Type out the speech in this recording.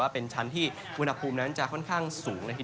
เป็นชั้นที่อุณหภูมินั้นจะค่อนข้างสูง